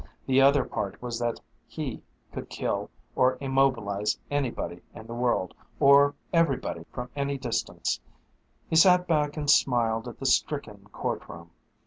The other part was that he could kill or immobilize anybody in the world or everybody from any distance. He sat back and smiled at the stricken courtroom.